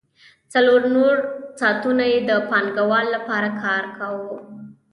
څلور نور ساعتونه یې د پانګوال لپاره کار کاوه